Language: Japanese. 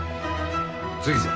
次じゃ。